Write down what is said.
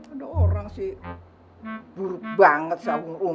ada orang sih buruk banget si umun